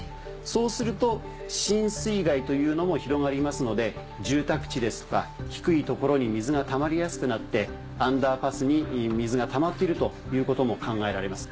そうすると浸水害というのも広がりますので住宅地ですとか低い所に水がたまりやすくなってアンダーパスに水がたまっているということも考えられます。